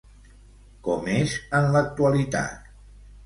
Com és en l'actualitat?